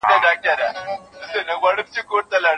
ټولنپوهان باید د سوسایټي د متنوع کلتورونو ترمینځ اړیکې وڅیړي.